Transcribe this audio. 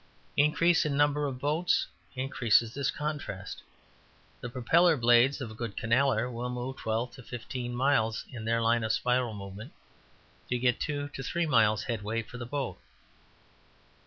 Increase in number of boats increases this contrast. The propeller blades of a good canaller will move twelve to fifteen miles, in their line of spiral movement, to get two to three miles headway for the boat.